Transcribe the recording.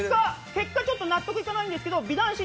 結果、ちょっと納得いかないんですけど美男子